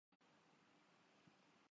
دینے کے لئے تیّار نہ تھی۔